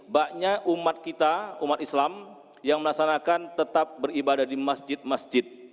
banyak umat kita umat islam yang melaksanakan tetap beribadah di masjid masjid